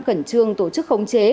khẩn trương tổ chức khống chế